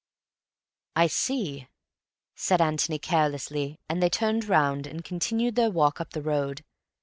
"I see," said Antony carelessly, and they turned round and continued their walk up to the road.